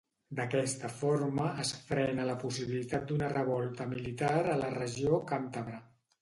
D'aquesta forma, es frena la possibilitat d'una revolta militar a la regió càntabra.